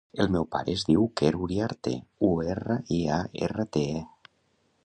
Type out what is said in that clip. El meu pare es diu Quer Uriarte: u, erra, i, a, erra, te, e.